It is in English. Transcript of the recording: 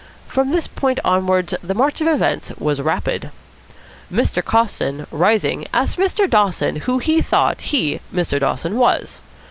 From this point onwards the march of events was rapid. Mr. Coston, rising, asked Mr. Dawson who he thought he, Mr. Dawson, was.